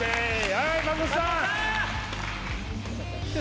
はい松本さん！